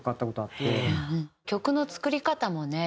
曲の作り方もね